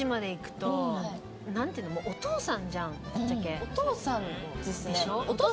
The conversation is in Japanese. お父さんですね。